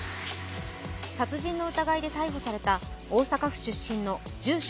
殺人の疑いで逮捕された大阪府出身の住所